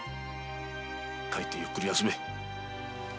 帰ってゆっくり休め。